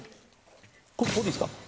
ここでいいですか？